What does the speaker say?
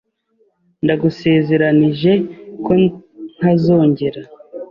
Ndagusezeranije ko ntazongera.